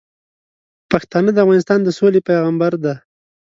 پښتانه د افغانستان د سولې پیغامبر دي.